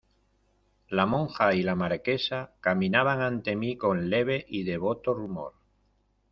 la monja y la Marquesa caminaban ante mí con leve y devoto rumor.